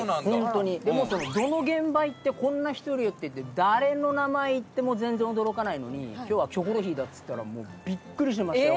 どの現場行ってこんな人いるよって言って誰の名前言っても全然驚かないのに今日は『キョコロヒー』だっつったらもうビックリしてましたよ